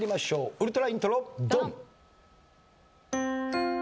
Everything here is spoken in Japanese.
ウルトライントロドン！